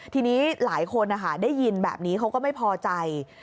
ทีนี้หลายคนได้ยินแบบนี้เขาก็ไม่พอใจ